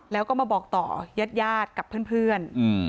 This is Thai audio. แล้วก็มาบอกต่อยัดยาดกับเพื่อนเพื่อนอืม